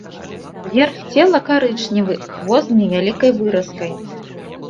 Верх цела карычневы, хвост з невялікай выразкай.